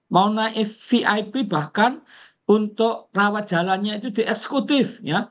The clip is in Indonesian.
mau naik vip bahkan untuk rawat jalannya itu di eksekutif